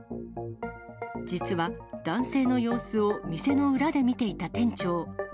実は、男性の様子を店の裏で見ていた店長。